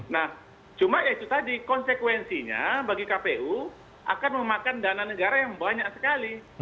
nah cuma ya itu tadi konsekuensinya bagi kpu akan memakan dana negara yang banyak sekali